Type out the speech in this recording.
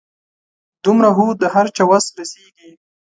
دومره خو د هر چا وس رسيږي .